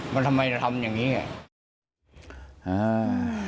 มันทำไมเราทำอย่างนี้ไง